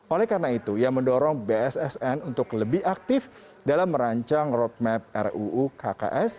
oleh karena itu ia mendorong bssn untuk lebih aktif dalam merancang roadmap ruu kks